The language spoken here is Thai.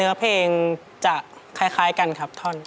เนื้อเพลงจะคล้ายกันครับท่อน